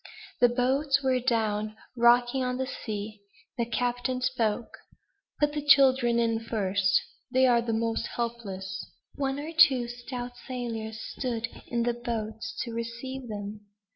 The boats were down, rocking on the sea. The captain spoke: "Put the children in first; they are the most helpless." One or two stout sailors stood in the boats to receive them.